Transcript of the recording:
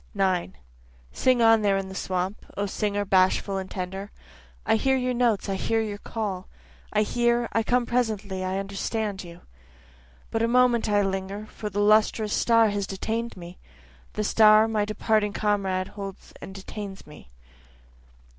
9 Sing on there in the swamp, O singer bashful and tender, I hear your notes, I hear your call, I hear, I come presently, I understand you, But a moment I linger, for the lustrous star has detain'd me, The star my departing comrade holds and detains me.